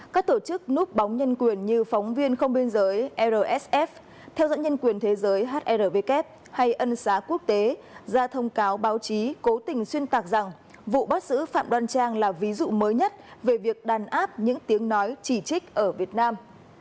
các tổ chức núp bóng nhân quyền như phóng viên không biên giới rsf theo dõi nhân quyền thế giới hrvk hay ân xá quốc tế ra thông cáo báo chí cố tình xuyên tạc rằng vụ bắt giữ phạm đoan trang là ví dụ mới nhất về việc đàn áp những tiếng nói chỉ trích ở việt nam